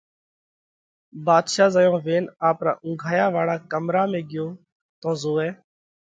ڀاڌشا زئيون وينَ آپرا اُونگھايا واۯا ڪمرا ۾ ڳيو تو زوئه